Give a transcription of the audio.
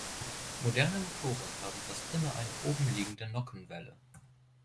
Moderne Motoren haben fast immer eine obenliegende Nockenwelle.